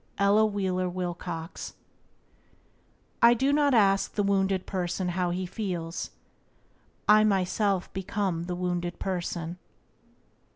—Ella Wheeler Wilcox. "I do not ask the wounded person how he feels, I myself become the wounded person."